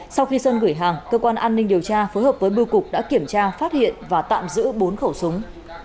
sau khi sơn gửi hàng cơ quan an ninh điều tra phối hợp với bưu cục đã kiểm tra phát hiện và tạm giữ bốn khẩu súng